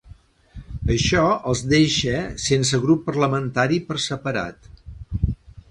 Això els deixa sense grup parlamentari per separat.